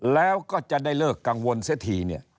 แล้วก็จะได้เลิกกังวลเสร็จที